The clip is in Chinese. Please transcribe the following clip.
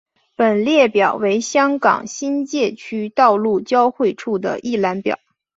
本列表为香港新界区道路交汇处的一览表。